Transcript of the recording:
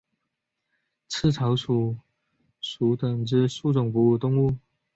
刺巢鼠属等之数种哺乳动物。